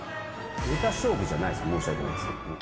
ネタ勝負じゃないです、申し訳ないですけど。